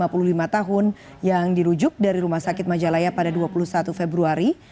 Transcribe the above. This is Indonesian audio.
pasien ketiga wanita berusia lima puluh lima tahun yang dirujuk dari rumah sakit majalaya pada dua puluh satu februari